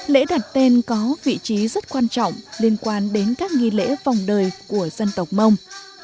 lễ đặt tên có vị trí rất quan trọng liên quan đến các nghi lễ vòng đời của dân tộc mông